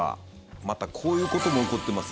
またこういうことも起こってます。